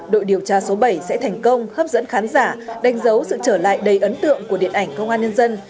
đội điều tra số bảy sẽ thành công hấp dẫn khán giả đánh dấu sự trở lại đầy ấn tượng của điện ảnh công an nhân dân